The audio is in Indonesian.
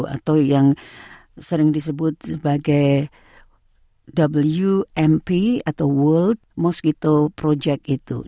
atau yang sering disebut sebagai wmp atau world mos gitu project itu